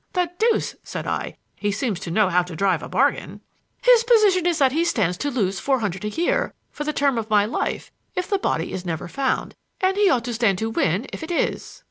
"The deuce!" said I. "He seems to know how to drive a bargain." "His position is that he stands to lose four hundred a year for the term of my life if the body is never found, and he ought to stand to win if it is."